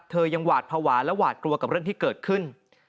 ยังหวาดภาวะและหวาดกลัวกับเรื่องที่เกิดขึ้น